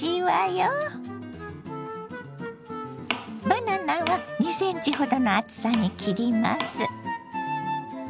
バナナは２ｃｍほどの厚さに切ります。